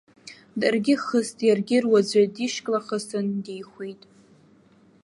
Даргьы хыст, иаргьы руаӡәы дишьклахысын дихәит.